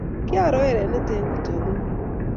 Kiaro erene eng' kitokunyu